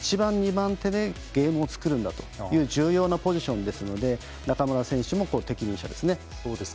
１番、２番手でゲームを作るんだという重要なポジションですので中村選手も適任者ですね。